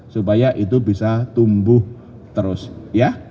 supaya itu bisa tumbuh terus ya